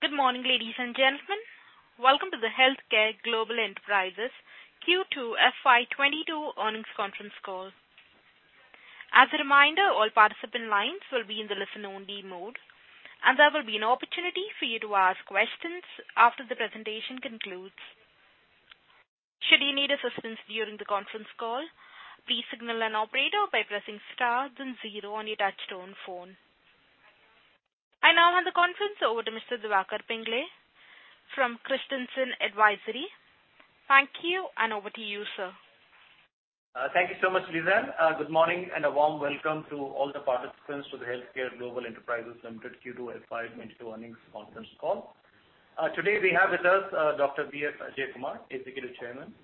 Good morning, ladies and gentlemen. Welcome to the HealthCare Global Enterprises Q2 FY 2022 earnings conference call. As a reminder, all participant lines will be in the listen-only mode, and there will be an opportunity for you to ask questions after the presentation concludes. Should you need assistance during the conference call, please signal an operator by pressing star then zero on your touchtone phone. I now hand the conference over to Mr. Diwakar Pingle from Christensen Advisory. Thank you, and over to you, sir. Thank you so much, Lisa. Good morning and a warm welcome to all the participants to the HealthCare Global Enterprises Limited Q2 FY 2022 earnings conference call. Today we have with us, Dr. B.S. Ajaikumar, Executive Chairman,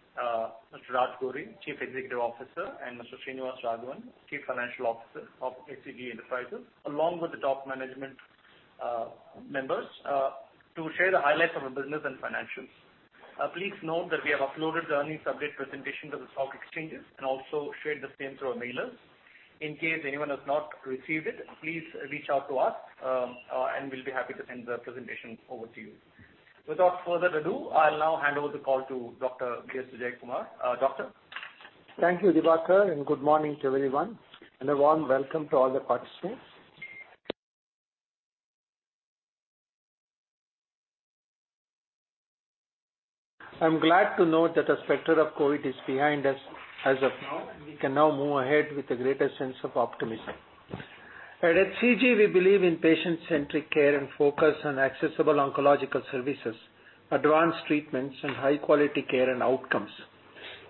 Mr. Raj Gore, Chief Executive Officer, and Mr. Srinivasa Raghavan, Chief Financial Officer of HealthCare Global Enterprises, along with the top management members to share the highlights of our business and financials. Please note that we have uploaded the earnings update presentation to the stock exchanges and also shared the same through our mailers. In case anyone has not received it, please reach out to us, and we'll be happy to send the presentation over to you. Without further ado, I'll now hand over the call to Dr. B.S. Ajaikumar. Doctor. Thank you, Diwakar, and good morning to everyone and a warm welcome to all the participants. I'm glad to note that the specter of COVID is behind us as of now, and we can now move ahead with a greater sense of optimism. At HCG, we believe in patient-centric care and focus on accessible oncological services, advanced treatments, and high-quality care and outcomes.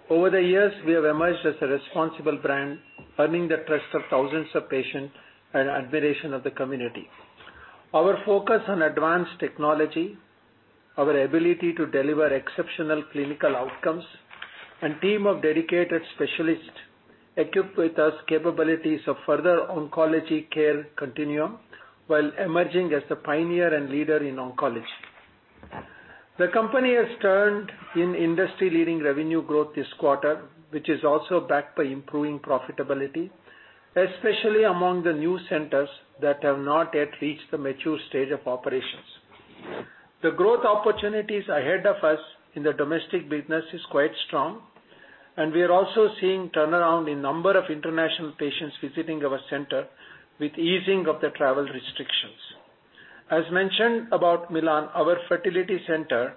Over the years, we have emerged as a responsible brand, earning the trust of thousands of patients and admiration of the community. Our focus on advanced technology, our ability to deliver exceptional clinical outcomes, and team of dedicated specialists equipped with our capabilities of further oncology care continuum while emerging as the pioneer and leader in oncology. The company has turned in industry-leading revenue growth this quarter, which is also backed by improving profitability, especially among the new centers that have not yet reached the mature stage of operations. The growth opportunities ahead of us in the domestic business is quite strong, and we are also seeing turnaround in number of international patients visiting our center with easing of the travel restrictions. As mentioned about Milann, our fertility center,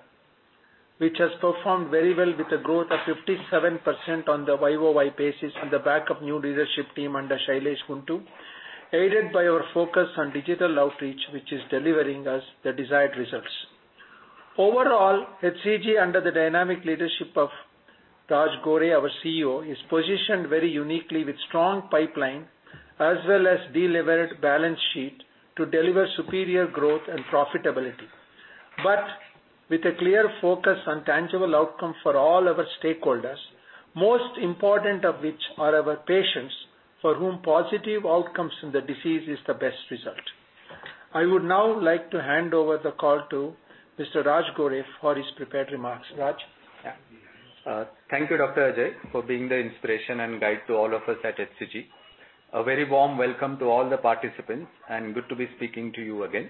which has performed very well with a growth of 57% on the YoY basis on the back of new leadership team under Shailesh Guntu, aided by our focus on digital outreach, which is delivering us the desired results. Overall, HCG, under the dynamic leadership of Raj Gore, our CEO, is positioned very uniquely with strong pipeline as well as delivered balance sheet to deliver superior growth and profitability. With a clear focus on tangible outcome for all our stakeholders, most important of which are our patients, for whom positive outcomes from the disease is the best result. I would now like to hand over the call to Mr. Raj Gore for his prepared remarks. Raj? Yeah, thank you, Dr. Ajai, for being the inspiration and guide to all of us at HCG. A very warm welcome to all the participants and good to be speaking to you again.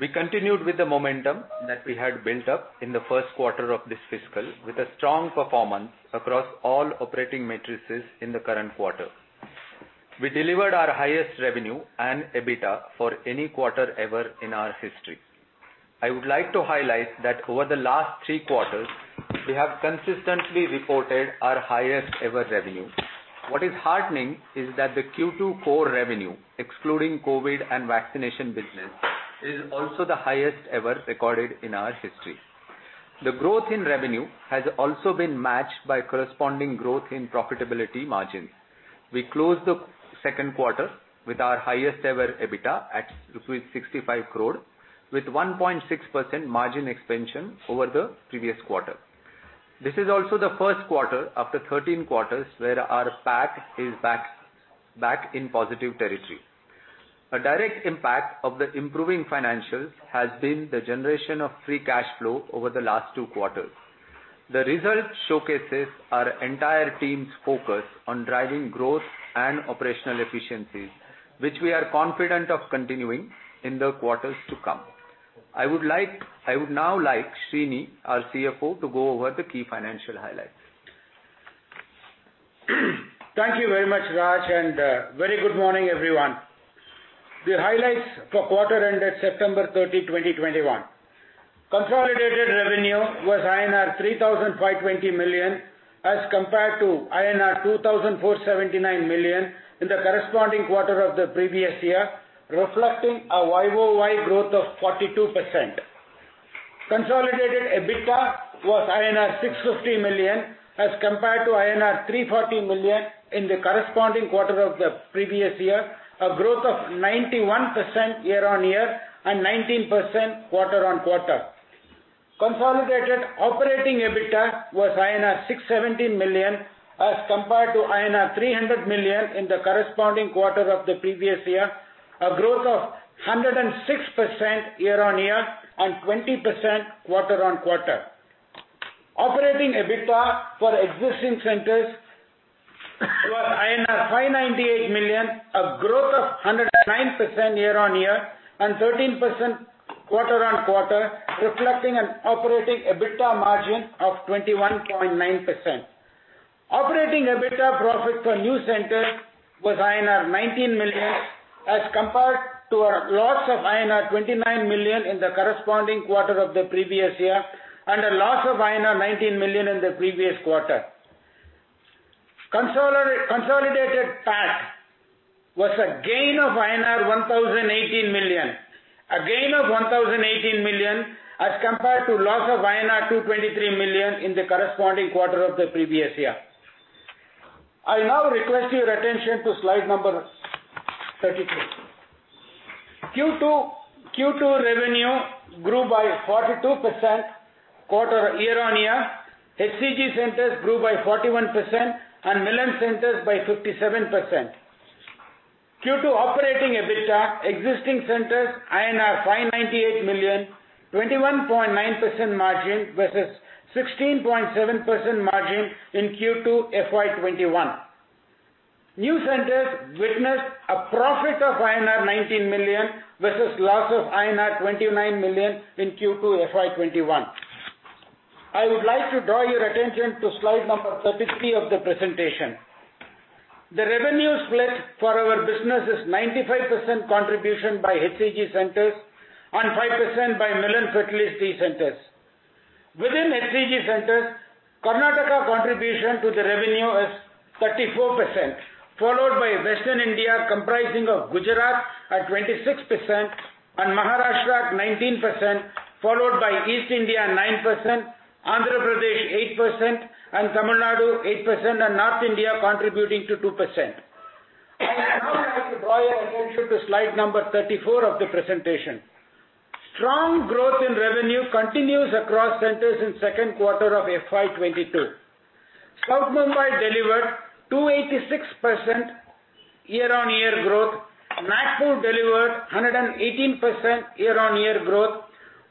We continued with the momentum that we had built up in the first quarter of this fiscal with a strong performance across all operating metrics in the current quarter. We delivered our highest revenue and EBITDA for any quarter ever in our history. I would like to highlight that over the last three quarters we have consistently reported our highest ever revenue. What is heartening is that the Q2 core revenue, excluding COVID and vaccination business, is also the highest ever recorded in our history. The growth in revenue has also been matched by corresponding growth in profitability margins. We closed the second quarter with our highest ever EBITDA at 65 crore with 1.6% margin expansion over the previous quarter. This is also the first quarter after 13 quarters where our PAT is back in positive territory. A direct impact of the improving financials has been the generation of free cash flow over the last two quarters. The results showcase our entire team's focus on driving growth and operational efficiencies, which we are confident of continuing in the quarters to come. I would now like Srini, our CFO, to go over the key financial highlights. Thank you very much, Raj, and very good morning, everyone. The highlights for quarter ended September 30, 2021. Consolidated revenue was INR 3,520 million as compared to INR 2,479 million in the corresponding quarter of the previous year, reflecting a 42% YoY growth. Consolidated EBITDA was INR 650 million as compared to INR 340 million in the corresponding quarter of the previous year, a growth of 91% year-on-year and 19% quarter-on-quarter. Consolidated operating EBITDA was INR 670 million as compared to INR 300 million in the corresponding quarter of the previous year, a growth of 106% year-over-year and 20% quarter-over-quarter. Operating EBITDA for existing centers was 598 million, a growth of 109% year-over-year and 13% quarter-over-quarter, reflecting an operating EBITDA margin of 21.9%. Operating EBITDA profit for new centers was INR 19 million, as compared to a loss of INR 29 million in the corresponding quarter of the previous year and a loss of INR 19 million in the previous quarter. Consolidated PAT was a gain of INR 1,018 million. A gain of 1,018 million as compared to loss of INR 223 million in the corresponding quarter of the previous year. I now request your attention to slide number 33. Q2 revenue grew by 42% year-on-year. HCG centers grew by 41% and Milann centers by 57%. Q2 operating EBITDA existing centers 598 million, 21.9% margin versus 16.7% margin in Q2 FY 2021. New centers witnessed a profit of INR 19 million versus loss of INR 29 million in Q2 FY 2021. I would like to draw your attention to slide 33 of the presentation. The revenue split for our business is 95% contribution by HCG centers and 5% by Milann Fertility centers. Within HCG centers, Karnataka contribution to the revenue is 34%, followed by Western India comprising of Gujarat at 26% and Maharashtra 19%, followed by East India 9%, Andhra Pradesh 8% and Tamil Nadu 8% and North India contributing to 2%. I would now like to draw your attention to slide number 34 of the presentation. Strong growth in revenue continues across centers in second quarter of FY 2022. South Mumbai delivered 286% year-on-year growth. Nagpur delivered 118% year-on-year growth.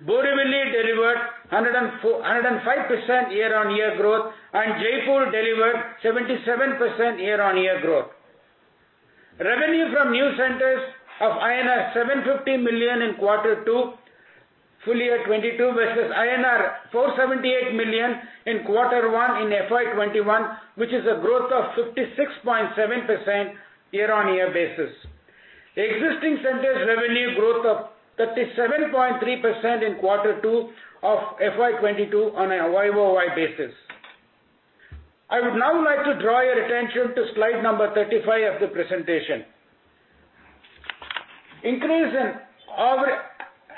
Borivali delivered 105% year-on-year growth, and Jaipur delivered 77% year-on-year growth. Revenue from new centers of INR 750 million in Quarter 2 FY 2022 versus INR 478 million in Quarter 1 in FY 2021, which is a growth of 56.7% year-on-year basis. Existing centers revenue growth of 37.3% in quarter 2 of FY 2022 on a YoY basis. I would now like to draw your attention to slide number 35 of the presentation. Increase in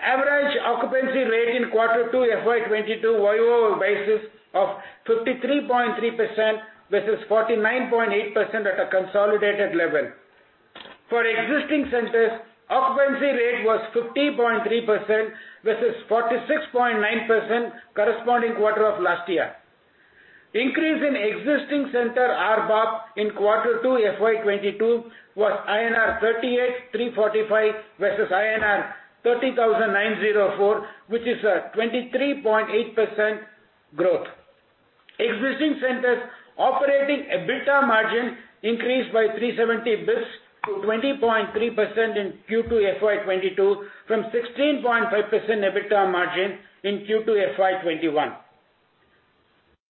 average occupancy rate in Q2 FY 2022 YoY basis of 53.3% versus 49.8% at a consolidated level. For existing centers, occupancy rate was 50.3% versus 46.9% corresponding quarter of last year. Increase in existing center ARPOB in Q2 FY 2022 was INR 38,345 versus INR 30,904, which is a 23.8% growth. Existing centers operating EBITDA margin increased by 370 basis points to 20.3% in Q2 FY 2022 from 16.5% EBITDA margin in Q2 FY 2021.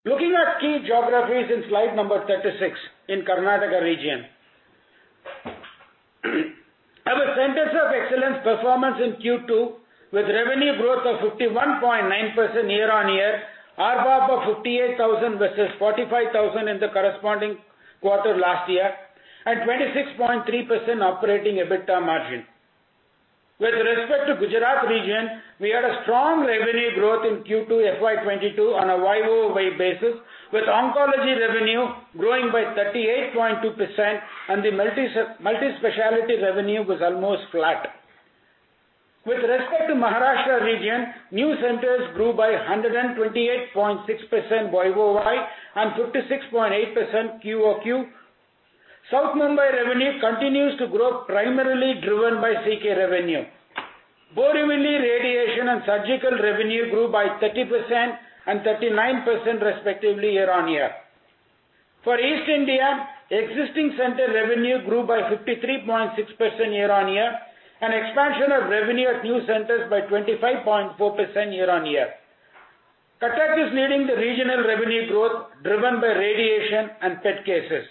Looking at key geographies in slide number 36 in Karnataka region. Our centers of excellence performance in Q2 with revenue growth of 51.9% year-over-year, ARPOB of 58,000 versus 45,000 in the corresponding quarter last year, and 26.3% operating EBITDA margin. With respect to Gujarat region, we had a strong revenue growth in Q2 FY 2022 on a YoY basis, with oncology revenue growing by 38.2% and the multi-specialty revenue was almost flat. With respect to Maharashtra region, new centers grew by 128.6% YoY and 56.8% QoQ. South Mumbai revenue continues to grow primarily driven by CK revenue. Borivali radiation and surgical revenue grew by 30% and 39% respectively year-over-year. For East India, existing center revenue grew by 53.6% year-over-year, and expansion of revenue at new centers by 25.4% year-over-year. Kolkata is leading the regional revenue growth driven by radiation and PET cases.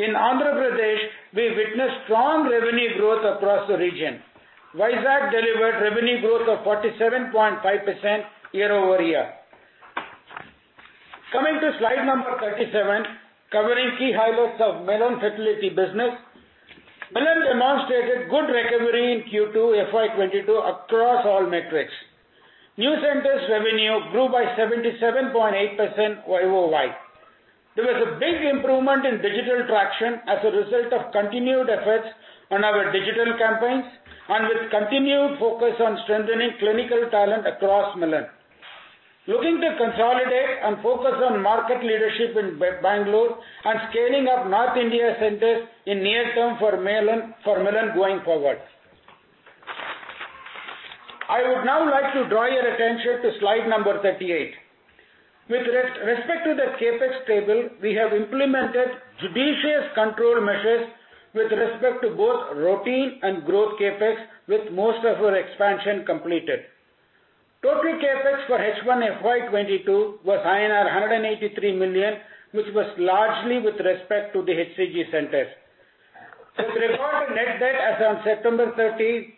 In Andhra Pradesh, we witnessed strong revenue growth across the region. Vizag delivered revenue growth of 47.5% year-over-year. Coming to slide number 37, covering key highlights of Milann Fertility business. Milann demonstrated good recovery in Q2 FY 2022 across all metrics. New centers revenue grew by 77.8% YoY. There was a big improvement in digital traction as a result of continued efforts on our digital campaigns and with continued focus on strengthening clinical talent across Milann. Looking to consolidate and focus on market leadership in Bangalore and scaling up North India centers in near term for Milann going forward. I would now like to draw your attention to slide number 38. With respect to the CapEx table, we have implemented judicious control measures with respect to both routine and growth CapEx, with most of our expansion completed. Total CapEx for H1 FY 2022 was INR 183 million, which was largely with respect to the HCG center. With regard to net debt as on September 13,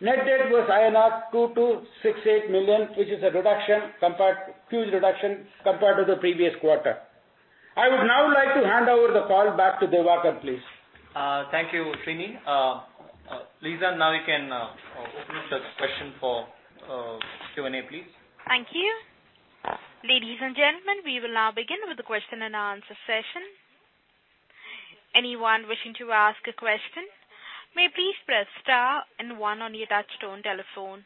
net debt was INR 2,268 million, which is a huge reduction compared to the previous quarter. I would now like to hand over the call back to Diwakar, please. Thank you, Srini. Lisa, now you can open up the question for Q&A, please. Thank you. Ladies and gentlemen, we will now begin with the question and answer session. Anyone wishing to ask a question may please press star and one on your touchtone telephone.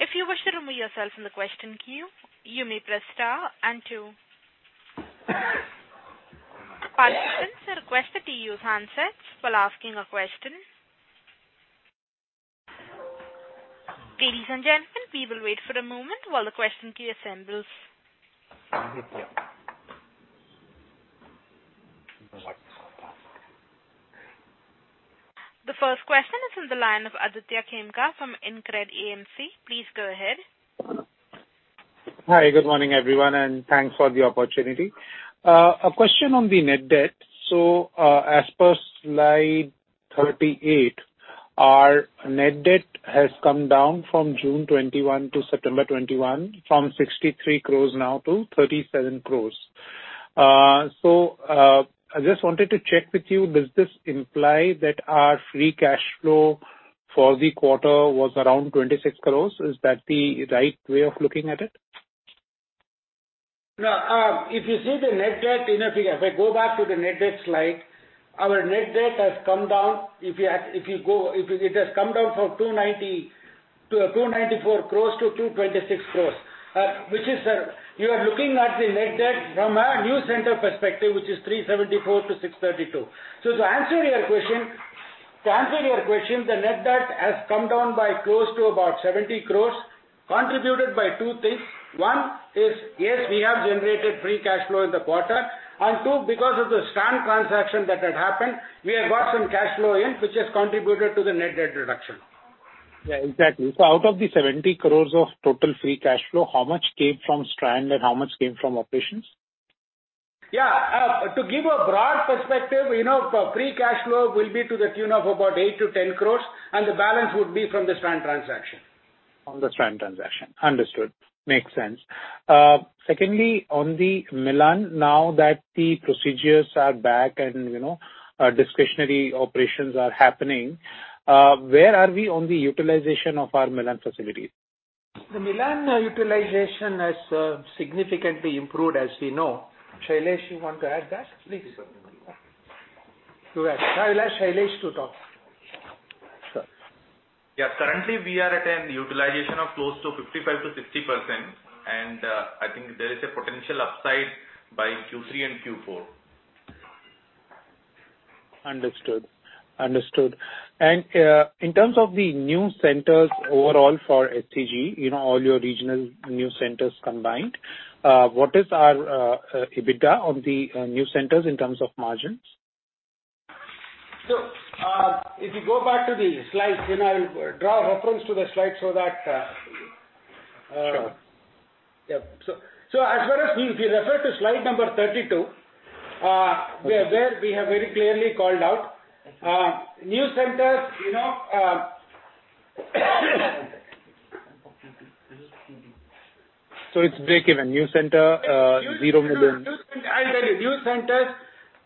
If you wish to remove yourself from the question queue, you may press star and two. Participants are requested to use handsets while asking a question. Ladies and gentlemen, we will wait for a moment while the question queue assembles. Yeah. The first question is on the line of Aditya Khemka from InCred AMC. Please go ahead. Hi. Good morning, everyone, and thanks for the opportunity. A question on the net debt. As per slide 38, our net debt has come down from June 2021 to September 2021, from 63 crores to 37 crores. I just wanted to check with you, does this imply that our free cash flow for the quarter was around 26 crores? Is that the right way of looking at it? No. If you see the net debt, you know, if I go back to the net debt slide, our net debt has come down. If it has come down from 294 crores to 226 crores, which is, you are looking at the net debt from a new center perspective, which is 374 to 632. To answer your question, the net debt has come down by close to about 70 crores, contributed by two things. One is, yes, we have generated free cash flow in the quarter. Two, because of the Strand transaction that had happened, we have got some cash inflow which has contributed to the net debt reduction. Yeah, exactly. Out of the 70 crores of total free cash flow, how much came from Strand and how much came from operations? Yeah. To give a broad perspective, you know, free cash flow will be to the tune of about 8-10 crores, and the balance would be from the Strand transaction. From the Strand transaction. Understood. Makes sense. Secondly, on the Milann, now that the procedures are back and, you know, discretionary operations are happening, where are we on the utilization of our Milann facilities? The Milann utilization has significantly improved, as you know. Shailesh, you want to add that? Please. Now I'll ask Shailesh to talk. Yeah. Currently, we are at a utilization of close to 55%-60%, and I think there is a potential upside by Q3 and Q4. Understood. In terms of the new centers overall for HCG, you know, all your regional new centers combined, what is our EBITDA on the new centers in terms of margins? If you go back to the slide, you know, I'll draw reference to the slide so that, Sure. As far as if you refer to slide number 32, where there we have very clearly called out new centers, you know. It's breakeven. New center, 0 million. I'll tell you. New centers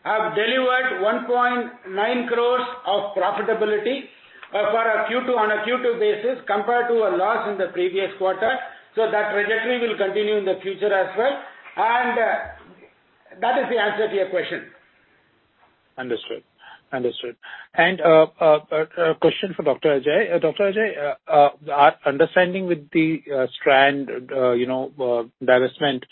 have delivered 1.9 crores of profitability for a Q2, on a Q2 basis, compared to a loss in the previous quarter. That trajectory will continue in the future as well. That is the answer to your question. Understood. A question for Dr. Ajai. Dr. Ajai, our understanding with the Strand Life Sciences, you know, divestment,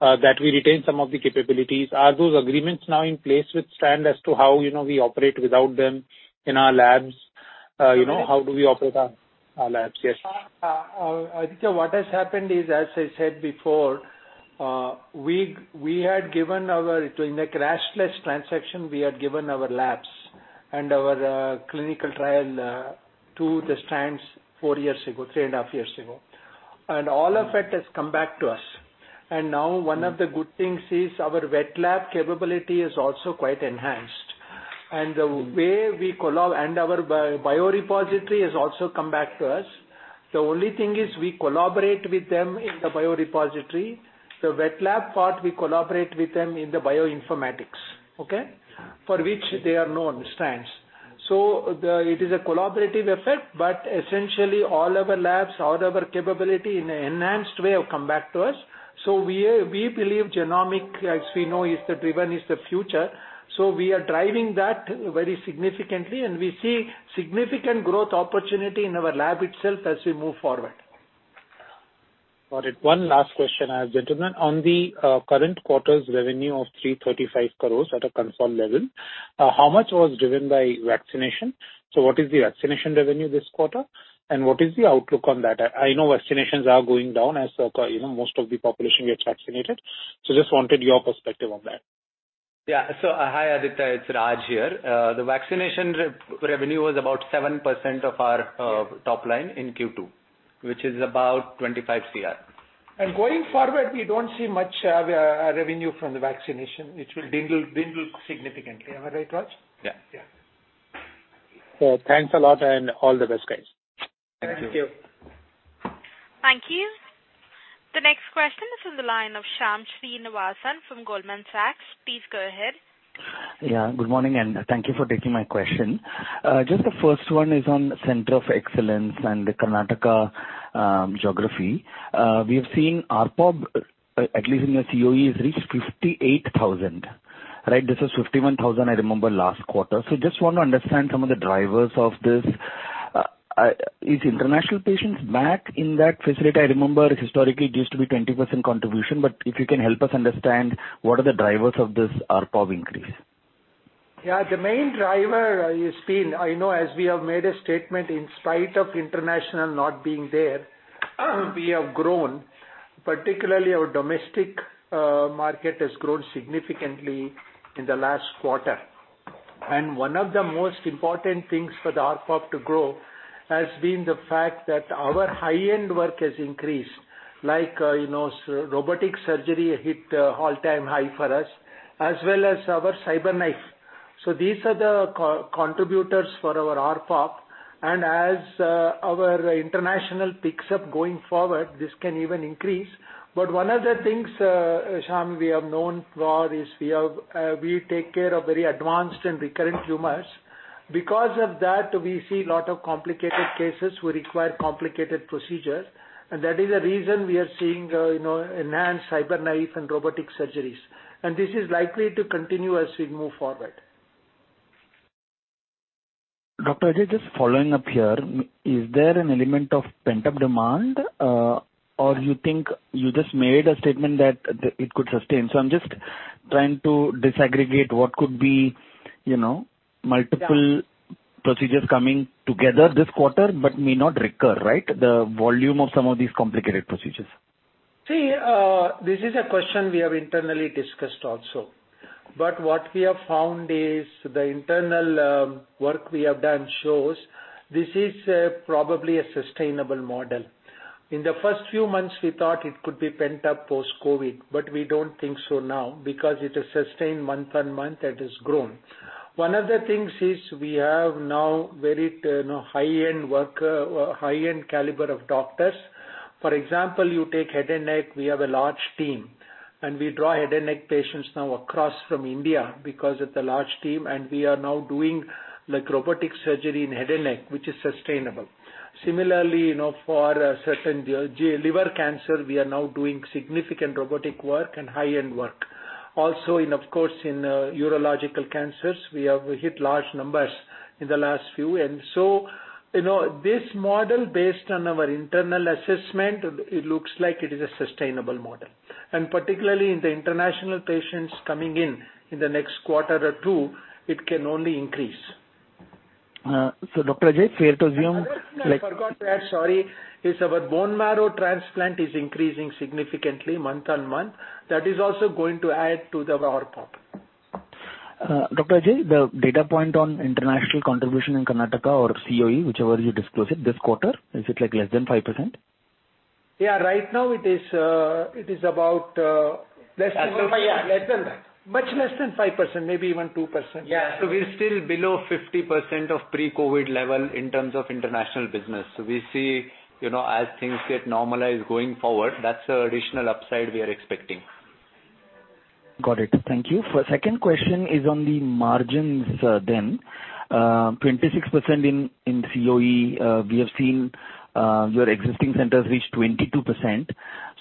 that we retain some of the capabilities. Are those agreements now in place with Strand Life Sciences as to how, you know, we operate without them in our labs? You know, how do we operate our labs? Yes. Aditya, what has happened is, as I said before, during the Triesta transaction, we had given our labs and our clinical trial to the Strand 4 years ago, 3.5 years ago. All of it has come back to us. Now one of the good things is our wet lab capability is also quite enhanced. Our biorepository has also come back to us. The only thing is we collaborate with them in the biorepository. The wet lab part, we collaborate with them in the bioinformatics. Okay? For which they are known, Strand. It is a collaborative effect, but essentially all our labs, all our capability in an enhanced way have come back to us. We believe genomics, as we know, is the driver, is the future. We are driving that very significantly, and we see significant growth opportunity in our lab itself as we move forward. Got it. One last question, gentlemen. On the current quarter's revenue of 335 crores at a confirmed level, how much was driven by vaccination? What is the vaccination revenue this quarter, and what is the outlook on that? I know vaccinations are going down as you know, most of the population gets vaccinated. Just wanted your perspective on that. Hi, Aditya, it's Raj here. The vaccination revenue was about 7% of our top line in Q2, which is about 25 CR. Going forward, we don't see much revenue from the vaccination. It will dwindle significantly. Am I right, Raj? Yeah. Yeah. Thanks a lot, and all the best, guys. Thank you. Thank you. Thank you. The next question is on the line of Shyam Srinivasan from Goldman Sachs. Please go ahead. Yeah, good morning, and thank you for taking my question. Just the first one is on center of excellence and the Karnataka geography. We have seen ARPOB, at least in the COE, has reached 58,000, right? This was 51,000, I remember last quarter. Just want to understand some of the drivers of this. Is international patients back in that facility? I remember historically it used to be 20% contribution, but if you can help us understand what are the drivers of this ARPOB increase. Yeah, the main driver has been. I know as we have made a statement, in spite of international not being there, we have grown. Particularly our domestic market has grown significantly in the last quarter. One of the most important things for the ARPOB to grow has been the fact that our high-end work has increased. Like, you know, robotic surgery hit all-time high for us, as well as our CyberKnife. These are the co-contributors for our ARPOB. As our international picks up going forward, this can even increase. One of the things, Sham, we have known for is we take care of very advanced and recurrent tumors. Because of that, we see lot of complicated cases which require complicated procedures, and that is the reason we are seeing, you know, enhanced CyberKnife and robotic surgeries. This is likely to continue as we move forward. Dr. Ajai, just following up here. Is there an element of pent-up demand, or you think. You just made a statement that it could sustain. I'm just trying to disaggregate what could be, you know. Yeah. Multiple procedures coming together this quarter but may not recur, right? The volume of some of these complicated procedures. See, this is a question we have internally discussed also. What we have found is the internal work we have done shows this is probably a sustainable model. In the first few months, we thought it could be pent-up post-COVID, but we don't think so now because it has sustained month-on-month, it has grown. One of the things is we have now very you know high-end work, high-end caliber of doctors. For example, you take head and neck, we have a large team, and we draw head and neck patients now across India because of the large team, and we are now doing like robotic surgery in head and neck, which is sustainable. Similarly, you know, for certain GI-liver cancer, we are now doing significant robotic work and high-end work. In urological cancers, we have hit large numbers in the last few. You know, this model, based on our internal assessment, it looks like it is a sustainable model. Particularly in the international patients coming in in the next quarter or two, it can only increase. Dr. B.S. Ajaikumar, fair to assume, like- The other thing I forgot to add, sorry, is our bone marrow transplant is increasing significantly month-on-month. That is also going to add to the ARPOB. Dr. Ajai, the data point on international contribution in Karnataka or COE, whichever you disclose it this quarter, is it like less than 5%? Yeah. Right now it is about less than five- Less than five, yeah. Less than that. Much less than 5%, maybe even 2%. Yeah. We're still below 50% of pre-COVID level in terms of international business. We see, you know, as things get normalized going forward, that's the additional upside we are expecting. Got it. Thank you. The second question is on the margins then. 26% in COE, we have seen your existing centers reach 22%.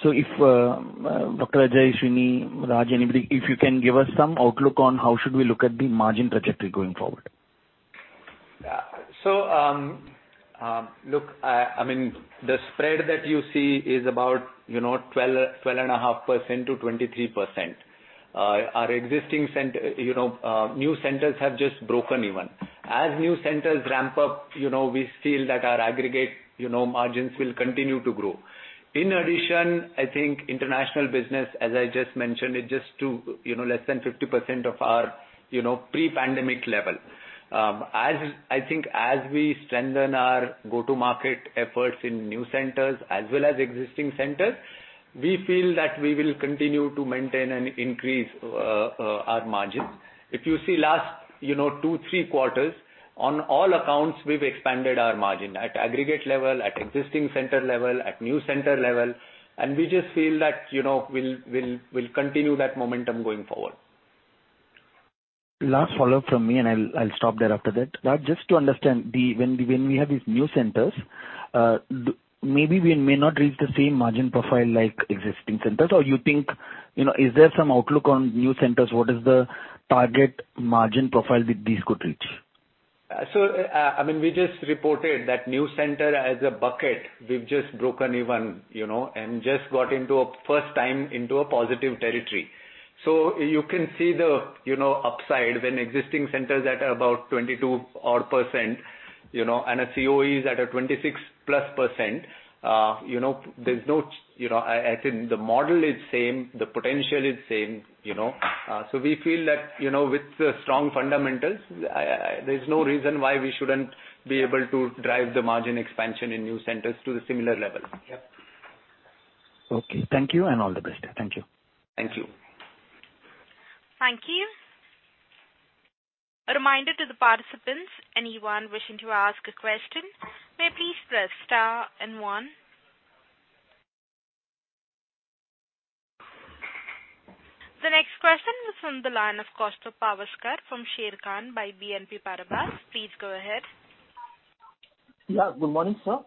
If Dr. Ajai, Srini, Raj, anybody, if you can give us some outlook on how should we look at the margin trajectory going forward. Yeah. Look, I mean, the spread that you see is about, you know, 12-12.5% to 23%. Our existing center, you know, new centers have just broken even. As new centers ramp up, you know, we feel that our aggregate, you know, margins will continue to grow. In addition, I think international business, as I just mentioned, is just too, you know, less than 50% of our, you know, pre-pandemic level. I think, as we strengthen our go-to-market efforts in new centers as well as existing centers, we feel that we will continue to maintain and increase our margins. If you see the last two, three quarters, you know, on all accounts, we've expanded our margin at aggregate level, at existing center level, at new center level, and we just feel that, you know, we'll continue that momentum going forward. Last follow-up from me, I'll stop there after that. Raj, just to understand, when we have these new centers, maybe we may not reach the same margin profile like existing centers. Or you think, you know, is there some outlook on new centers? What is the target margin profile that these could reach? I mean, we just reported that new center as a bucket, we've just broken even, you know, and just got into positive territory for the first time. You can see the upside, you know, when existing centers that are about 22-odd%, you know, and a COE is at a 26+%, you know. You know, I think the model is same, the potential is same, you know. We feel that, you know, with the strong fundamentals, there's no reason why we shouldn't be able to drive the margin expansion in new centers to the similar level. Yep. Okay. Thank you and all the best. Thank you. Thank you. Thank you. A reminder to the participants, anyone wishing to ask a question, may please press star and one. The next question is from the line of Kaustubh Pawaskar from Sharekhan by BNP Paribas. Please go ahead. Yeah. Good morning, sir.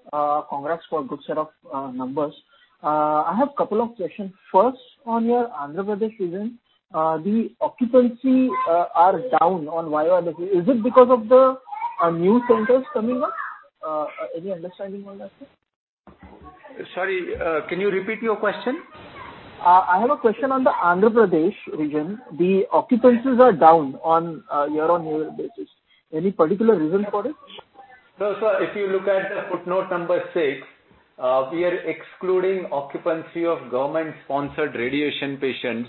Congrats for a good set of numbers. I have a couple of questions. First, on your Andhra Pradesh region, the occupancy are down on year-on-year basis. Is it because of the new centers coming up? Any understanding on that, sir? Sorry, can you repeat your question? I have a question on the Andhra Pradesh region. The occupancies are down on a year-on-year basis. Any particular reason for it? No, sir. If you look at the footnote number six, we are excluding occupancy of government-sponsored radiation patients.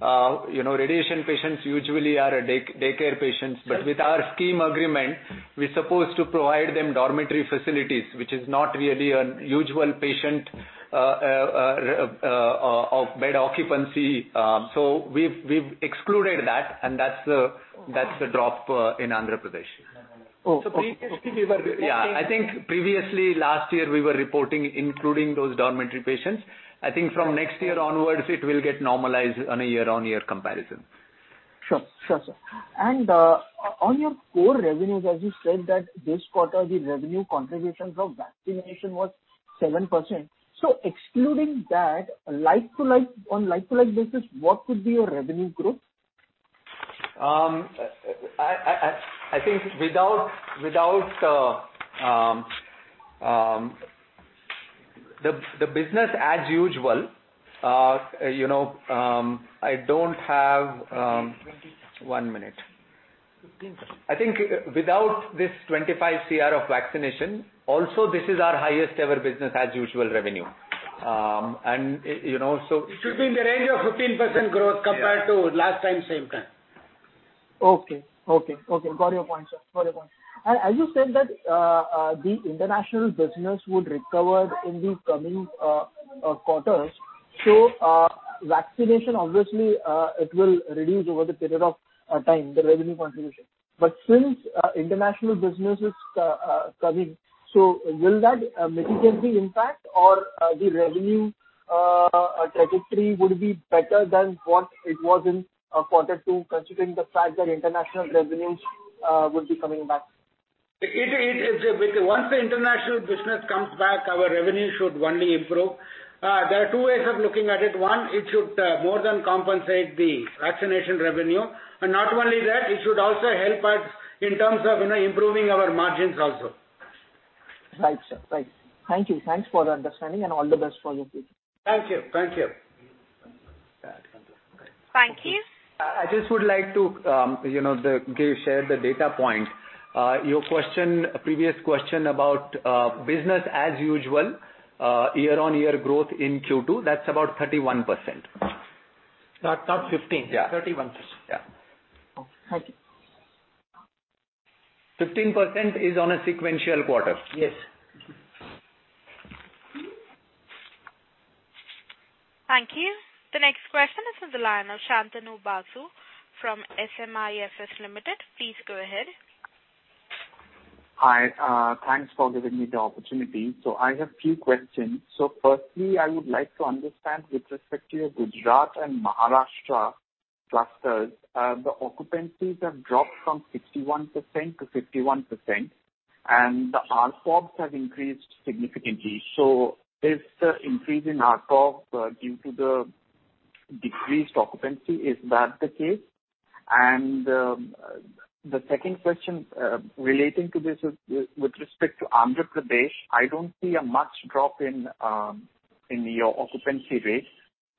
You know, radiation patients usually are daycare patients. With our scheme agreement, we're supposed to provide them dormitory facilities, which is not really a usual patient of bed occupancy. We've excluded that, and that's the drop in Andhra Pradesh. Oh, okay. Yeah. I think previously last year we were reporting including those dormitory patients. I think from next year onwards it will get normalized on a year-over-year comparison. Sure, sir. On your core revenues, as you said that this quarter the revenue contributions of vaccination was 7%. Excluding that, on like to like basis, what would be your revenue growth? I think without the business as usual, you know, I don't have 15, 20. One minute. 15%. I think without this 25 crores of vaccination, also this is our highest ever business as usual revenue. It should be in the range of 15% growth compared to last time, same time. Okay. Got your point, sir. As you said that the international business would recover in the coming quarters. Vaccination obviously it will reduce over the period of time, the revenue contribution. Since international business is coming, so will that significantly impact or the revenue trajectory would be better than what it was in quarter two, considering the fact that international revenues would be coming back? It is. Once the international business comes back, our revenue should only improve. There are two ways of looking at it. One, it should more than compensate the vaccination revenue. Not only that, it should also help us in terms of, you know, improving our margins also. Right, sir. Right. Thank you. Thanks for the understanding and all the best for your future. Thank you. Thank you. Thank you. I just would like to, you know, give, share the data point. Your previous question about business as usual, year-on-year growth in Q2, that's about 31%. Not 15. Yeah. 31%. Yeah. Okay. Thank you. 15% is on a sequential quarter. Yes. Thank you. The next question is on the line of Shantanu Basu from SMIFS Limited. Please go ahead. Hi. Thanks for giving me the opportunity. I have few questions. Firstly, I would like to understand with respect to your Gujarat and Maharashtra clusters, the occupancies have dropped from 61% to 51%, and the ARPOBs have increased significantly. Is the increase in ARPOB due to the decreased occupancy? Is that the case? And the second question relating to this is with respect to Andhra Pradesh. I don't see a much drop in your occupancy rates,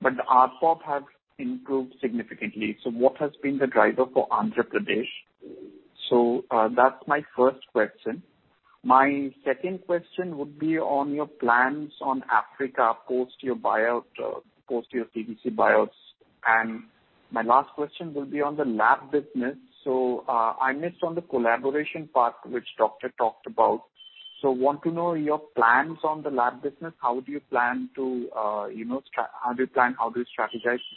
but the ARPOB has improved significantly. What has been the driver for Andhra Pradesh? That's my first question. My second question would be on your plans on Africa post your buyout, post your CVC buyouts. And my last question will be on the lab business. I missed on the collaboration part which doctor talked about. I want to know your plans on the lab business. How do you strategize to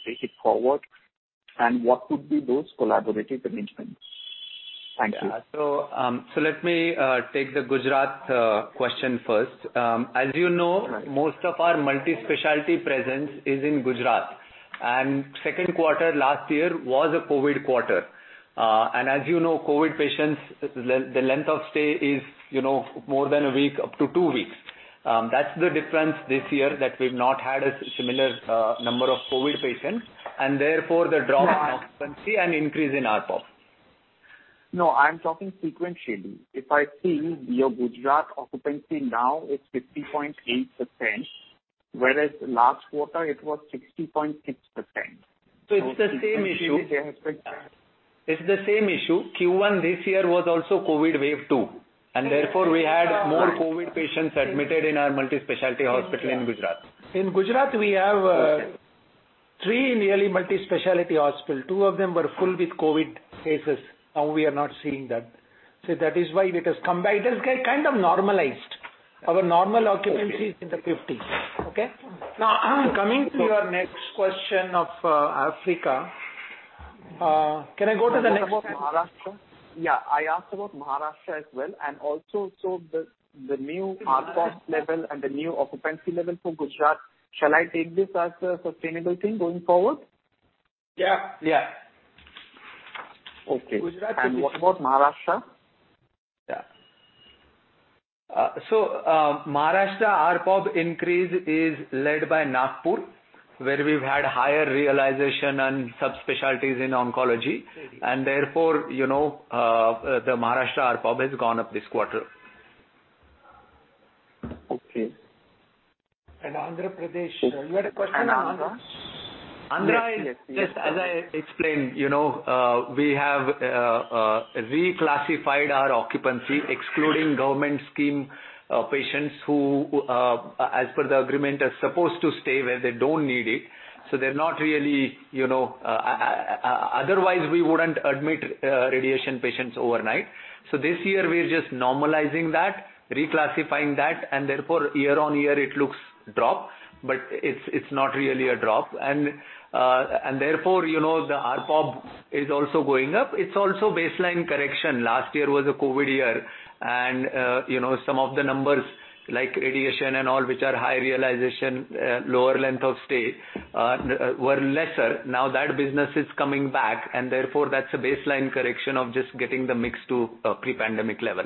take it forward, and what would be those collaborative arrangements? Thank you. Yeah. Let me take the Gujarat question first. As you know- Right. Most of our multi-specialty presence is in Gujarat. Second quarter last year was a COVID quarter. As you know, COVID patients, the length of stay is, you know, more than a week, up to two weeks. That's the difference this year that we've not had a similar number of COVID patients, and therefore the drop in occupancy and increase in ARPOB. No, I'm talking sequentially. If I see your Gujarat occupancy now is 50.8%, whereas last quarter it was 60.6%. It's the same issue. Q1 this year was also COVID wave 2, and therefore we had more COVID patients admitted in our multi-specialty hospital in Gujarat. In Gujarat, we have three nearly multi-specialty hospitals. Two of them were full with COVID cases. Now we are not seeing that. That is why it has come back. It has got kind of normalized. Our normal occupancy is in the fifties. Okay? Now coming to your next question of Africa. Can I go to the next one? About Maharashtra. Yeah, I asked about Maharashtra as well, and also, so the new ARPOB level and the new occupancy level for Gujarat, shall I take this as a sustainable thing going forward? Yeah, yeah. Okay. What about Maharashtra? Maharashtra ARPOB increase is led by Nagpur, where we've had higher realization on subspecialties in oncology. Therefore, you know, the Maharashtra ARPOB has gone up this quarter. Okay. Andhra Pradesh. You had a question on Andhra? Yeah. Andhra is just as I explained, you know, we have reclassified our occupancy, excluding government scheme patients who, as per the agreement, are supposed to stay where they don't need it. They're not really, you know. Otherwise we wouldn't admit radiation patients overnight. This year we're just normalizing that, reclassifying that, and therefore year-on-year it looks like a drop, but it's not really a drop. And therefore, you know, the ARPOB is also going up. It's also baseline correction. Last year was a COVID year and, you know, some of the numbers like radiation and all, which are high realization, lower length of stay, were lesser. Now that business is coming back and therefore that's a baseline correction of just getting the mix to pre-pandemic level.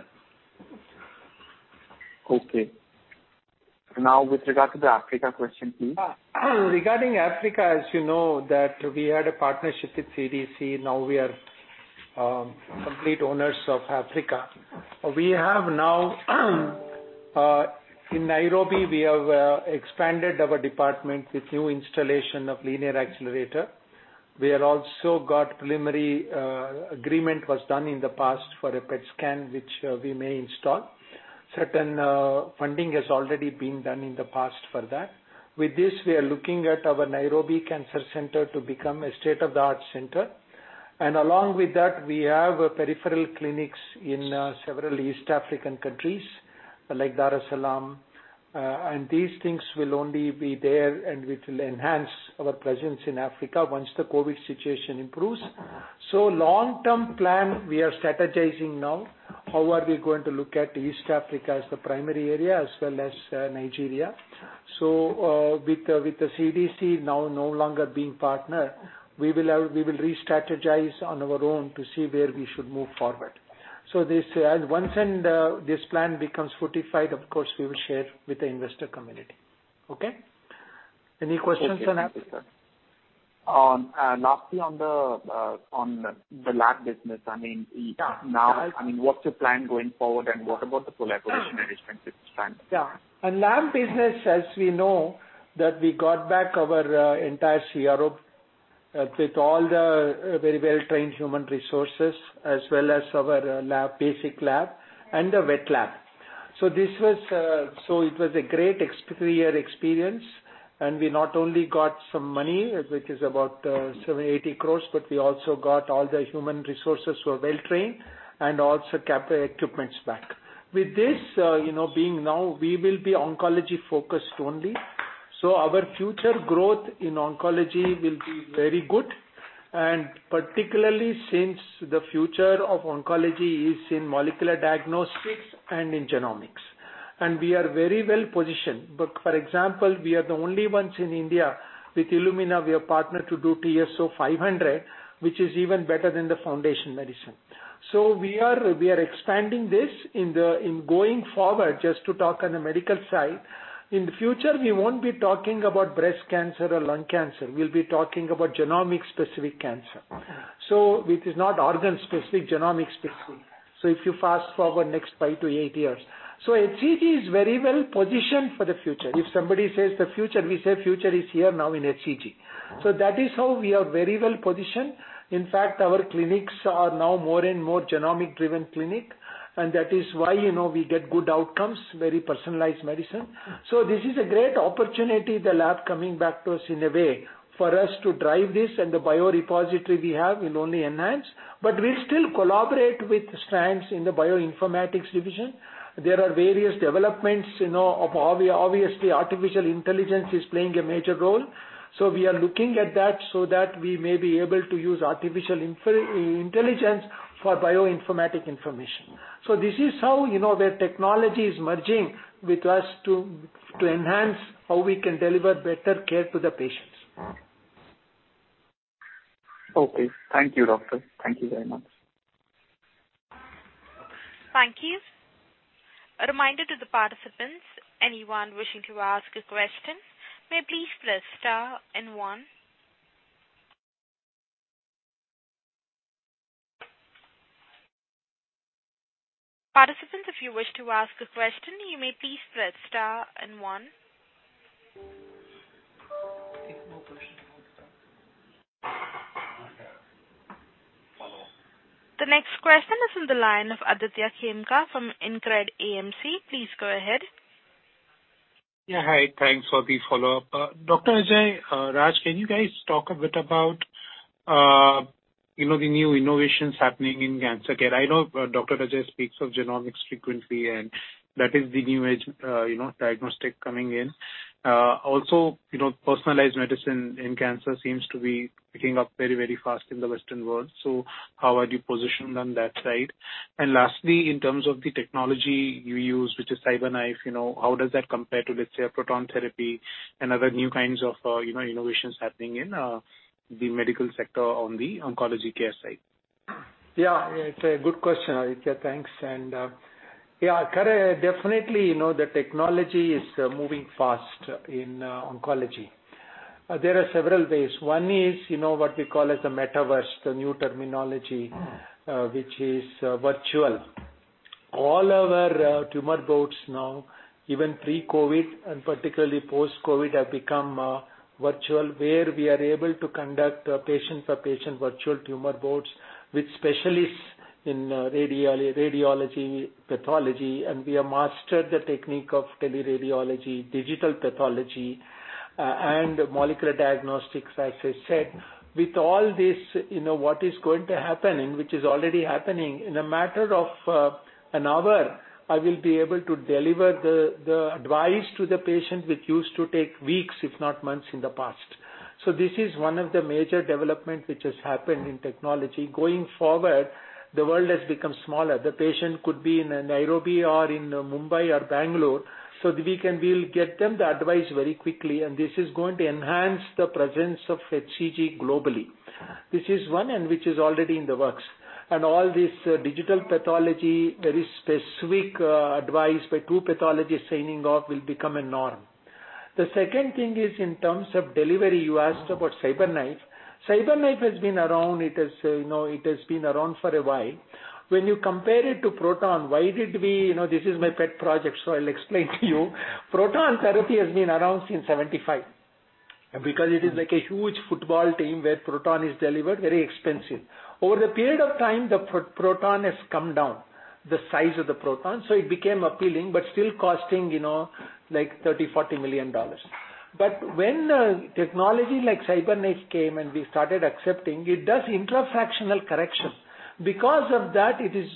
Okay. Now with regard to the Africa question, please. Regarding Africa, as you know that we had a partnership with CDC, now we are complete owners of Africa. We have now in Nairobi we have expanded our department with new installation of linear accelerator. We have also got preliminary agreement was done in the past for a PET scan, which we may install. Certain funding has already been done in the past for that. With this, we are looking at our Nairobi Cancer Center to become a state-of-the-art center. Along with that, we have peripheral clinics in several East African countries like Dar es Salaam. These things will only be there, and we will enhance our presence in Africa once the COVID situation improves. Long-term plan, we are strategizing now, how are we going to look at East Africa as the primary area as well as Nigeria. With the CDC now no longer being partner, we will re-strategize on our own to see where we should move forward. Once this plan becomes fortified, of course, we will share with the investor community. Okay? Any questions on Africa? Lastly on the lab business, I mean. Yeah. Now, I mean, what's your plan going forward and what about the collaboration with Strand at this time? Yeah. Lab business, as we know, that we got back our entire CRO with all the very well-trained human resources as well as our lab, basic lab and the wet lab. This was a great three-year experience, and we not only got some money, which is about 83 crores, but we also got all the human resources who are well-trained and also kept the equipment back. With this, you know, being now we will be oncology-focused only. Our future growth in oncology will be very good, and particularly since the future of oncology is in molecular diagnostics and in genomics. We are very well-positioned. For example, we are the only ones in India with Illumina. We have partnered to do TruSight Oncology 500, which is even better than the Foundation Medicine. We are expanding this in going forward, just to talk on the medical side. In the future, we won't be talking about breast cancer or lung cancer. We'll be talking about genomic specific cancer. It is not organ specific, genomic specific. If you fast-forward next five to eight years. HCG is very well positioned for the future. If somebody says the future, we say future is here now in HCG. That is how we are very well positioned. In fact, our clinics are now more and more genomic-driven clinic, and that is why, you know, we get good outcomes, very personalized medicine. This is a great opportunity, the lab coming back to us in a way for us to drive this and the biorepository we have will only enhance. We'll still collaborate with Strand in the bioinformatics division. There are various developments, you know, of obviously, artificial intelligence is playing a major role. We are looking at that so that we may be able to use artificial intelligence for bioinformatics. This is how, you know, where technology is merging with us to enhance how we can deliver better care to the patient. Okay. Thank you, Dr. Thank you very much. Thank you. A reminder to the participants, anyone wishing to ask a question may please press star and one. Participants, if you wish to ask a question, you may please press star and one. The next question is on the line of Aditya Khemka from InCred AMC. Please go ahead. Yeah, hi. Thanks for the follow-up. Dr. B.S. Ajaikumar, Mr. Raj Gore, can you guys talk a bit about, you know, the new innovations happening in cancer care? I know Dr. B.S. Ajaya Kumar speaks of genomics frequently, and that is the new age, you know, diagnostic coming in. Also, you know, personalized medicine in cancer seems to be picking up very, very fast in the Western world, so how are you positioned on that side? Lastly, in terms of the technology you use, which is CyberKnife, you know, how does that compare to, let's say, a proton therapy and other new kinds of, you know, innovations happening in, the medical sector on the oncology care side? Yeah, it's a good question, Aditya. Thanks. Yeah, correct. Definitely, you know, the technology is moving fast in oncology. There are several ways. One is, you know, what we call as the metaverse, the new terminology. Mm. which is virtual. All our tumor boards now, even pre-COVID and particularly post-COVID, have become virtual, where we are able to conduct a patient-per-patient virtual tumor boards with specialists in radiology, pathology, and we have mastered the technique of teleradiology, digital pathology, and molecular diagnostics, as I said. With all this, you know, what is going to happen and which is already happening, in a matter of an hour, I will be able to deliver the advice to the patient, which used to take weeks, if not months in the past. This is one of the major development which has happened in technology. Going forward, the world has become smaller. The patient could be in Nairobi or in Mumbai or Bangalore, so we can, we'll get them the advice very quickly, and this is going to enhance the presence of HCG globally. Mm. This is one and which is already in the works. All this digital pathology, very specific, advice by two pathologists signing off will become a norm. The second thing is in terms of delivery. You asked about CyberKnife. CyberKnife has been around, it has, you know, it has been around for a while. When you compare it to proton, why did we. You know, this is my pet project, so I'll explain to you. Proton therapy has been around since 1975. Because it is like a huge football team where proton is delivered, very expensive. Over the period of time, the proton has come down, the size of the proton, so it became appealing, but still costing, you know, like $30-$40 million. When technology like CyberKnife came and we started accepting, it does intrafractional correction. Because of that, it is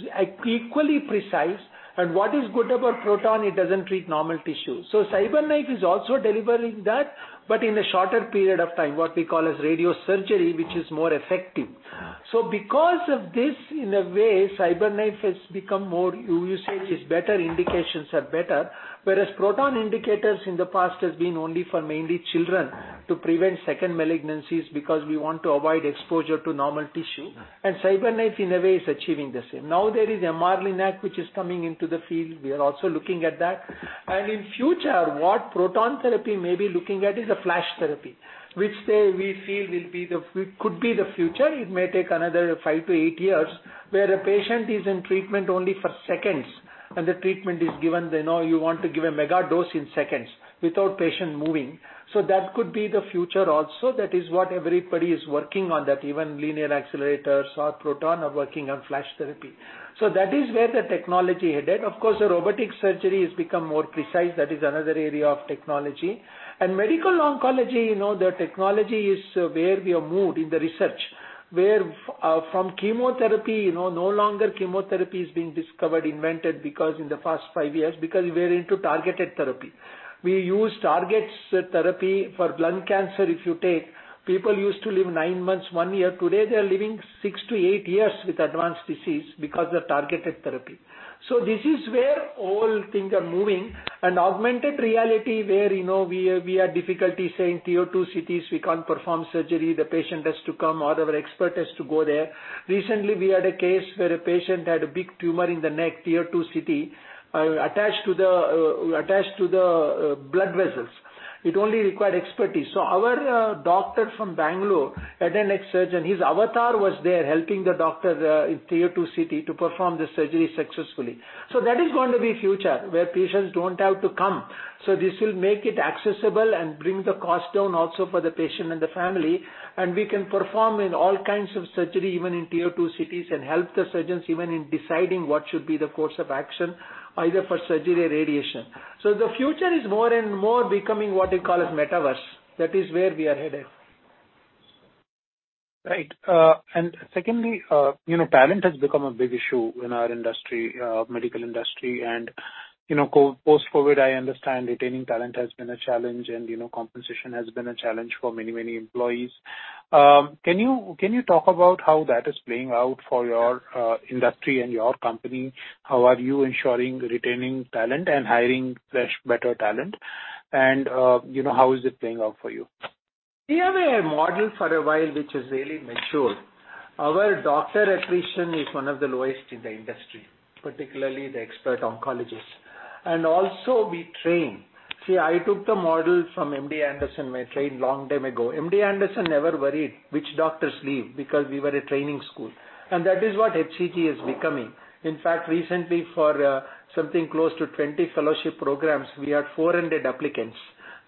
equally precise. What is good about proton, it doesn't treat normal tissue. CyberKnife is also delivering that, but in a shorter period of time, what we call as radiosurgery, which is more effective. Mm. Because of this, in a way, CyberKnife has become more usage is better, indications are better. Whereas proton indications in the past has been only for mainly children- Mm. To prevent second malignancies because we want to avoid exposure to normal tissue. Mm. CyberKnife, in a way, is achieving the same. Now there is a MRIdian Linac, which is coming into the field. We are also looking at that. In future, what proton therapy may be looking at is a flash therapy, which we feel could be the future. It may take another five to eight years, where a patient is in treatment only for seconds, and the treatment is given. You know, you want to give a mega dose in seconds without patient moving. That could be the future also. That is what everybody is working on, even linear accelerators or proton are working on flash therapy. That is where the technology headed. Of course, the robotic surgery has become more precise. That is another area of technology. Medical oncology, you know, the technology is where we have moved in the research, where from chemotherapy, you know, no longer chemotherapy is being discovered, invented because in the past five years, because we are into targeted therapy. We use targeted therapy for blood cancer if you take. People used to live nine months, one year. Today, they are living six to eight years with advanced disease because of targeted therapy. So this is where all things are moving. Augmented reality, where, you know, we have difficulty in tier two cities, we can't perform surgery. The patient has to come, or our expert has to go there. Recently, we had a case where a patient had a big tumor in the neck, Tier 2 city, attached to the blood vessels. It only required expertise. Our doctor from Bangalore, head and neck surgeon, his avatar was there helping the doctor in tier two city to perform the surgery successfully. That is going to be the future where patients don't have to come. This will make it accessible and bring the cost down also for the patient and the family. We can perform in all kinds of surgery, even in tier two cities, and help the surgeons even in deciding what should be the course of action, either for surgery or radiation. The future is more and more becoming what we call as metaverse. That is where we are headed. Right. Secondly, you know, talent has become a big issue in our industry, medical industry. You know, post-COVID, I understand retaining talent has been a challenge and, you know, compensation has been a challenge for many, many employees. Can you talk about how that is playing out for your industry and your company? How are you ensuring retaining talent and hiring fresh, better talent? You know, how is it playing out for you? We have a model for a while which has really matured. Our doctor attrition is one of the lowest in the industry, particularly the expert oncologists. Also we train. See, I took the model from MD Anderson where I trained long time ago. MD Anderson never worried which doctors leave because we were a training school, and that is what HCG is becoming. In fact, recently for something close to 20 fellowship programs, we had 400 applicants,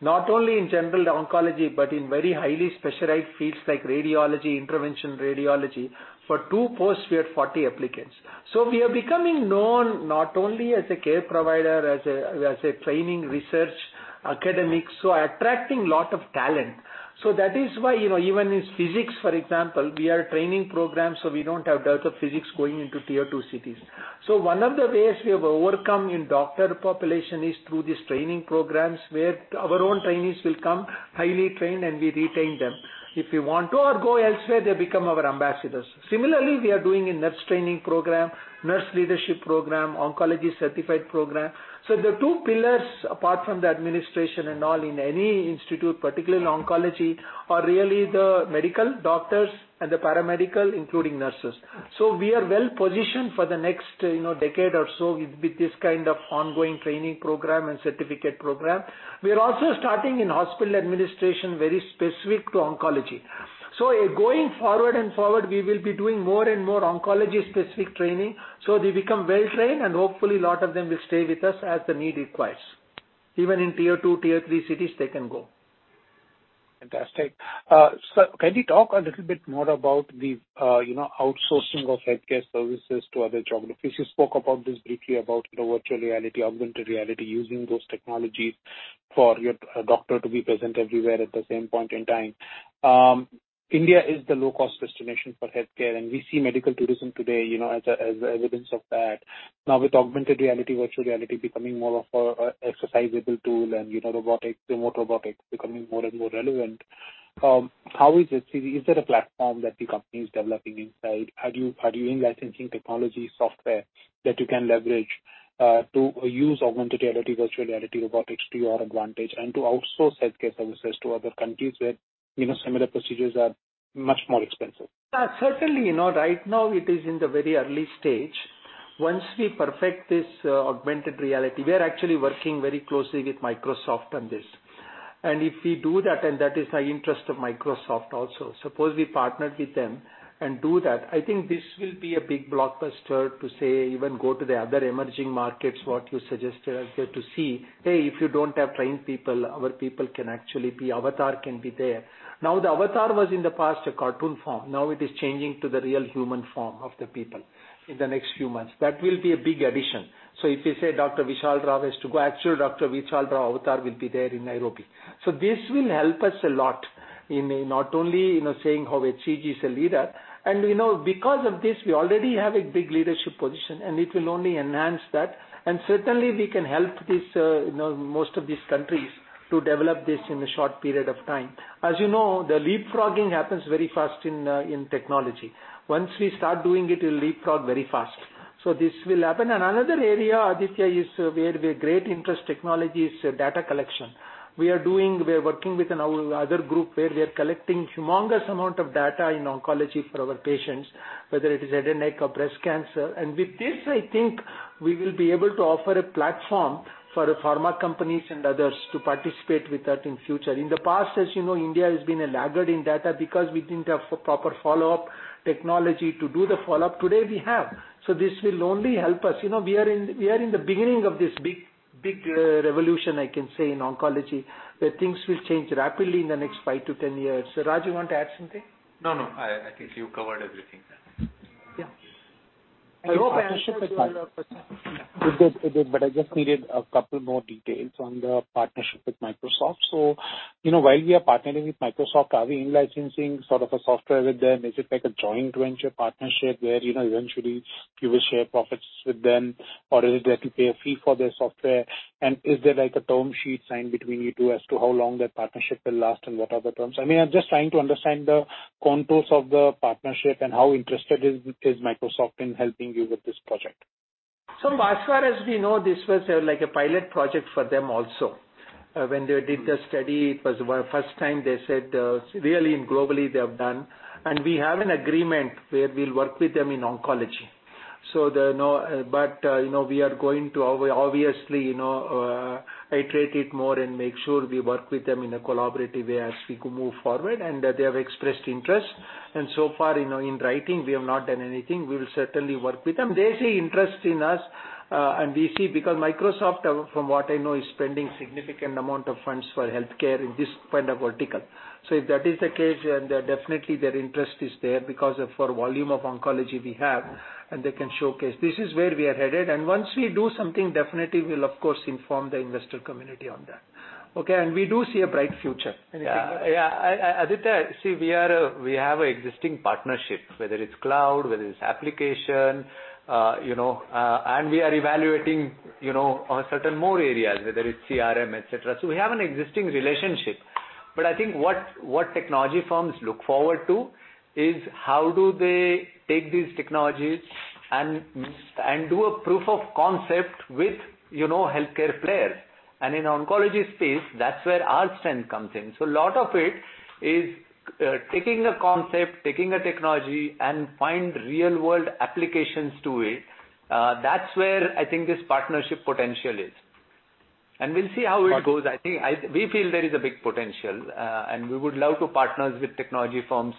not only in general oncology, but in very highly specialized fields like radiology, interventional radiology. For two posts we had 40 applicants. We are becoming known not only as a care provider, as a training research academic, so attracting a lot of talent. That is why, you know, even in physics, for example, we have a training program, so we don't have dearth of physicists going into Tier-2 cities. One of the ways we have overcome in doctor population is through these training programs, where our own trainees will come highly trained and we retain them. If we want to or go elsewhere, they become our ambassadors. Similarly, we are doing a nurse training program, nurse leadership program, oncology certification program. The two pillars, apart from the administration and all in any institute, particularly oncology, are really the medical doctors and the paramedical, including nurses. We are well-positioned for the next, you know, decade or so with this kind of ongoing training program and certificate program. We are also starting in hospital administration very specific to oncology. Going forward, we will be doing more and more oncology-specific training, so they become well trained and hopefully a lot of them will stay with us as the need requires. Even in Tier 2, Tier 3 cities, they can go. Fantastic. Can you talk a little bit more about the, you know, outsourcing of healthcare services to other geographies? You spoke about this briefly about the virtual reality, augmented reality, using those technologies for your doctor to be present everywhere at the same point in time. India is the low-cost destination for healthcare, and we see medical tourism today, you know, as a, as evidence of that. Now, with augmented reality, virtual reality becoming more of an executable tool and, you know, robotics, remote robotics becoming more and more relevant, how is it? Is it a platform that the company is developing inside? Are you in licensing technology software that you can leverage, to use augmented reality, virtual reality robotics to your advantage and to outsource healthcare services to other countries where, you know, similar procedures are much more expensive? Certainly, you know, right now it is in the very early stage. Once we perfect this, augmented reality, we are actually working very closely with Microsoft on this. If we do that, and that is an interest of Microsoft also, suppose we partner with them and do that, I think this will be a big blockbuster to say even go to the other emerging markets, what you suggested, Aditya, to see, hey, if you don't have trained people, our people can actually be avatar can be there. Now, the avatar was in the past a cartoon form. Now it is changing to the real human form of the people in the next few months. That will be a big addition. If you say Dr. Vishal Rao has to go, actually Dr. Vishal Rao avatar will be there in Nairobi. This will help us a lot in not only, you know, saying how HCG is a leader. You know, because of this, we already have a big leadership position, and it will only enhance that. Certainly, we can help these, you know, most of these countries to develop this in a short period of time. As you know, the leapfrogging happens very fast in technology. Once we start doing it'll leapfrog very fast. This will happen. Another area, Aditya, where we have great interest in technology is data collection. We are working with another group where we are collecting a humongous amount of data in oncology for our patients, whether it is head and neck or breast cancer. With this, I think we will be able to offer a platform for pharma companies and others to participate with us in future. In the past, as you know, India has been a laggard in data because we didn't have proper follow-up technology to do the follow-up. Today, we have. This will only help us. You know, we are in the beginning of this big revolution, I can say, in oncology, where things will change rapidly in the next five to ten years. Raj, you want to add something? No, no. I think you covered everything. Yeah. You know, partnership with Mi- Yeah. You did, but I just needed a couple more details on the partnership with Microsoft. You know, while we are partnering with Microsoft, are we in licensing sort of a software with them? Is it like a joint venture partnership where, you know, eventually you will share profits with them, or is it that you pay a fee for their software? Is there like a term sheet signed between you two as to how long that partnership will last and what are the terms? I mean, I'm just trying to understand the contours of the partnership and how interested is Microsoft in helping you with this project. As far as we know, this was like a pilot project for them also. When they did the study, it was first time they said, really and globally they have done. We have an agreement where we'll work with them in oncology. You know, we are going to obviously, you know, iterate it more and make sure we work with them in a collaborative way as we move forward, and they have expressed interest. So far, you know, in writing, we have not done anything. We will certainly work with them. They see interest in us, and we see because Microsoft, from what I know, is spending significant amount of funds for healthcare in this kind of vertical. If that is the case, then definitely their interest is there because of for volume of oncology we have, and they can showcase. This is where we are headed. Once we do something, definitely we'll of course inform the investor community on that. Okay? We do see a bright future. Anything else? Yeah. Aditya, see, we have existing partnerships, whether it's Cloud, whether it's application, you know, and we are evaluating, you know, on certain more areas, whether it's CRM, et cetera. We have an existing relationship. I think what technology firms look forward to is how do they take these technologies and do a proof of concept with, you know, healthcare players. In oncology space, that's where our strength comes in. A lot of it is taking a concept, taking a technology and find real world applications to it. That's where I think this partnership potential is. We'll see how it goes. We feel there is a big potential, and we would love to partners with technology firms,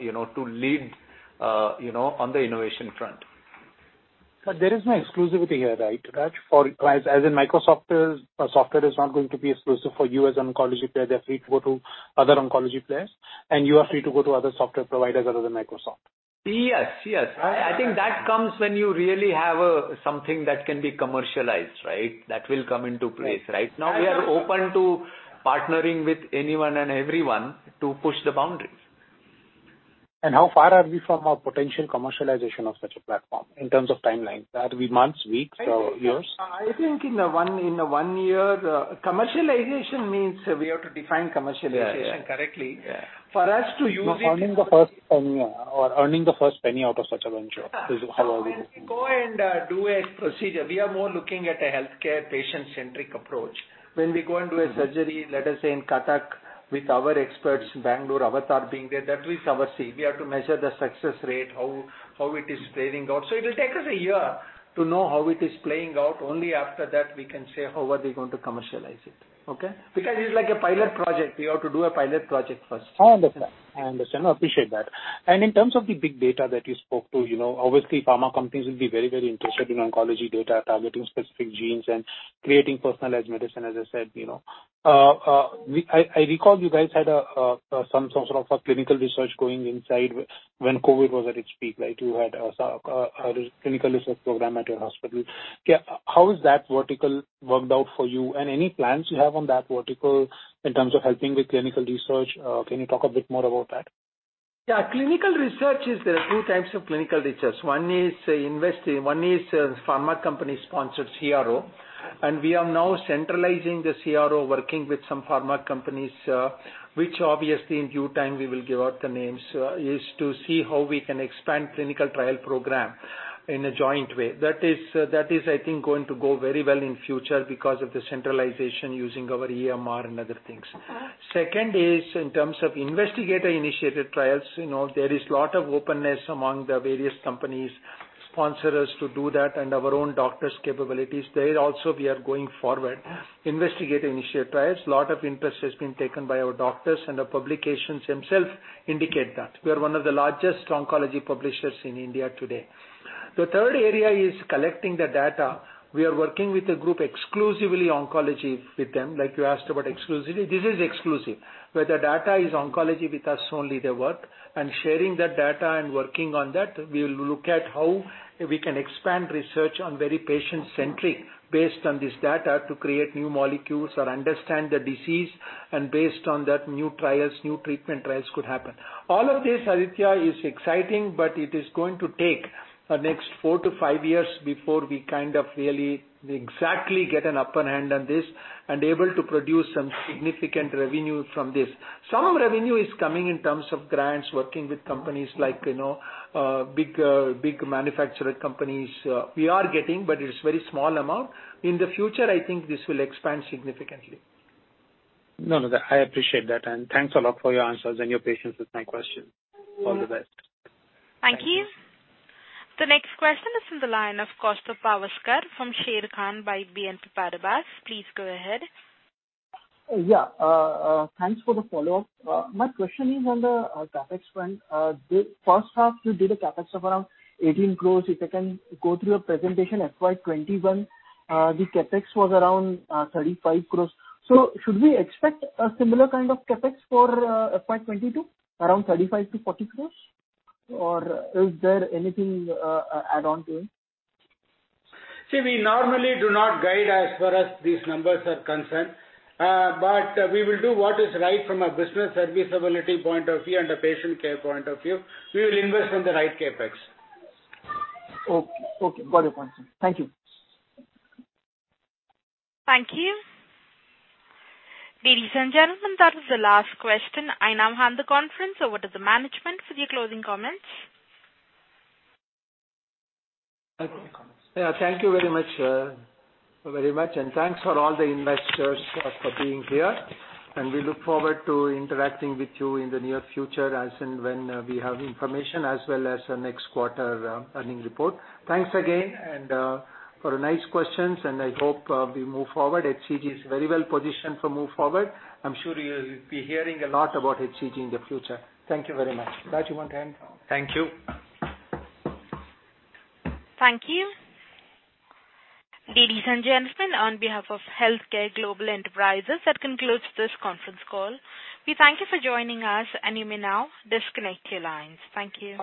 you know, to lead, you know, on the innovation front. There is no exclusivity here, right, Raj? For as in Microsoft's software is not going to be exclusive for you as oncology player, they're free to go to other oncology players, and you are free to go to other software providers other than Microsoft. Yes. Yes. I think that comes when you really have something that can be commercialized, right? That will come into place. Right now, we are open to partnering with anyone and everyone to push the boundaries. How far are we from a potential commercialization of such a platform in terms of timeline? That'll be months, weeks or years? I think in one year, commercialization means we have to define commercialization correctly. Yeah. For us to use it. Earning the first penny out of such a venture. How are we? When we go and do a procedure, we are more looking at a healthcare patient-centric approach. When we go and do a surgery, let us say in Cuttack with our experts in Bangalore avatar being there, that is our C. We have to measure the success rate, how it is playing out. It will take us a year to know how it is playing out. Only after that we can say how are we going to commercialize it. Okay? Because it's like a pilot project. We have to do a pilot project first. I understand. I appreciate that. In terms of the big data that you spoke to, you know, obviously pharma companies will be very, very interested in oncology data, targeting specific genes and creating personalized medicine, as I said, you know. We... I recall you guys had some sort of a clinical research going inside when COVID was at its peak, right? You had a clinical research program at your hospital. How is that vertical worked out for you? Any plans you have on that vertical in terms of helping with clinical research? Can you talk a bit more about that? Yeah. There are two types of clinical research. One is investigator, one is pharma company sponsored CRO. We are now centralizing the CRO working with some pharma companies, which obviously in due time we will give out the names, is to see how we can expand clinical trial program in a joint way. That is, I think going to go very well in future because of the centralization using our EMR and other things. Second is in terms of investigator-initiated trials. You know, there is lot of openness among the various companies, sponsors to do that and our own doctors' capabilities. There also we are going forward. Investigator-initiated trials, lot of interest has been taken by our doctors and the publications themselves indicate that. We are one of the largest oncology publishers in India today. The third area is collecting the data. We are working with a group exclusively oncology with them. Like you asked about exclusivity, this is exclusive, where the data is oncology with us only they work. Sharing that data and working on that, we'll look at how we can expand research on very patient-centric based on this data to create new molecules or understand the disease, and based on that, new trials, new treatment trials could happen. All of this, Aditya, is exciting, but it is going to take a next four to five years before we kind of really exactly get an upper hand on this and able to produce some significant revenue from this. Some revenue is coming in terms of grants, working with companies like, you know, big manufacturer companies, we are getting, but it's very small amount. In the future, I think this will expand significantly. No, no. I appreciate that. Thanks a lot for your answers and your patience with my questions. All the best. Thank you. The next question is from the line of Kaustubh Pawaskar from Sharekhan by BNP Paribas. Please go ahead. Thanks for the follow-up. My question is on the CapEx front. The first half you did a CapEx of around 18 crores. If I can go through your presentation, FY 2021, the CapEx was around 35 crores. Should we expect a similar kind of CapEx for FY 2022, around 35 crores-40 crores? Or is there anything add on to it? See, we normally do not guide as far as these numbers are concerned. We will do what is right from a business serviceability point of view and a patient care point of view. We will invest on the right CapEx. Okay. Got your point, sir. Thank you. Thank you. Ladies and gentlemen, that was the last question. I now hand the conference over to the management for their closing comments. Yeah. Thank you very much, very much and thanks for all the investors for being here. We look forward to interacting with you in the near future as and when we have information as well as next quarter earnings report. Thanks again and for the nice questions and I hope we move forward. HCG is very well positioned to move forward. I'm sure you'll be hearing a lot about HCG in the future. Thank you very much. Raj, you want to end? Thank you. Thank you. Ladies and gentlemen, on behalf of HealthCare Global Enterprises, that concludes this conference call. We thank you for joining us and you may now disconnect your lines. Thank you.